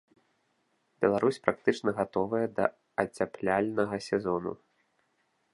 Беларусь практычна гатовая да ацяпляльнага сезону.